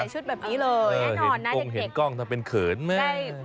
ใส่ชุดแบบนี้เลยแน่นอนนะเด็กเห็นกล้องทำเป็นเขินมาก